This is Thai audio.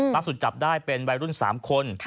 ตั๊กสุดจับได้เป็นวัยรุ่น๓คน